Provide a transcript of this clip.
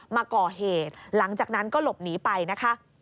มาก่อเหตุหลังจากนั้นก็หลบหนีไปนะคะ